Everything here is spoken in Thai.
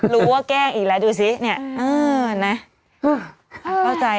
รู้ว่าแกล้งอีกแล้วดูซิ